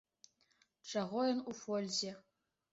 Чаго ён у фользе?